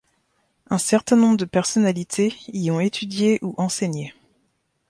Un certain nombre de personnalités y ont étudié ou enseigné.